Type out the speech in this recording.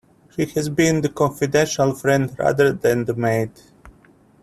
She has been the confidential friend rather than the maid.